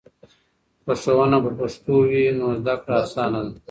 که ښوونه په پښتو وي نو زده کړه اسانه ده.